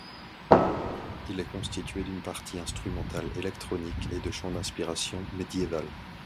Il est constitué d'une partie instrumentale électronique, et de chants d'inspiration médiévale.